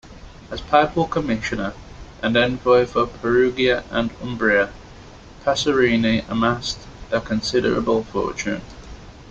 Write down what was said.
As papal commissioner and envoy for Perugia and Umbria, Passerini amassed a considerable fortune.